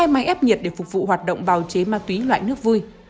hai máy ép nhiệt để phục vụ hoạt động bào chế ma túy loại nước vui